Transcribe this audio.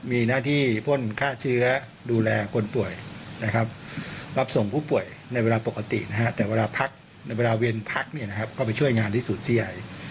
มีหน้าที่พ่นฆ่าเชื้อดูแลคนป่วยนะครับรับส่งผู้ป่วยในเวลาปกตินะฮะแต่เวลาพักในเวลาเวียนพักเนี่ยนะครับก็ไปช่วยงานที่สูญเสีย